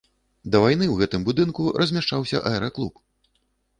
Да вайны ў гэтым будынку размяшчаўся аэраклуб.